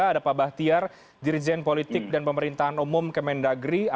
ada pak bahtiar dirijen politik dan pemerintahan umum kemendagri atau pjs gubernur kepulauan